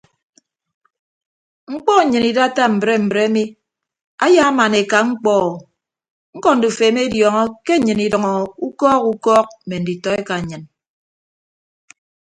Mkpọ nnyịn idatta mbre mbre mi ayaaman eka mkpọ o ñkọ ndufo emediọñọ ke nnyịn idʌño ukọọk ukọọk mme nditọ eka nnyịn.